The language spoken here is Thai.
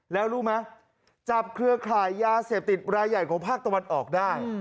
แล้วรู้ไหมจับเครือข่ายยาเสพติดรายใหญ่ของภาคตะวันออกได้